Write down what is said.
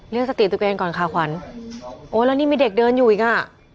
สติตัวเองก่อนค่ะขวัญโอ้แล้วนี่มีเด็กเดินอยู่อีกอ่ะ